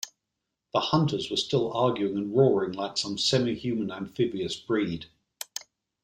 The hunters were still arguing and roaring like some semi-human amphibious breed.